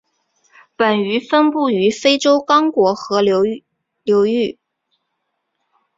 本鱼分布于非洲刚果河流域。